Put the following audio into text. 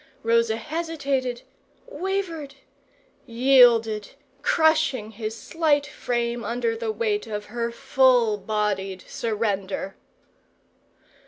Rosa hesitated wavered and yielded, crushing his slight frame under the weight of her full bodied surrender.